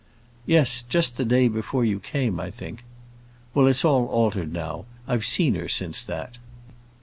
"Yes; just the day before you came, I think." "Well, it's all altered now. I have seen her since that."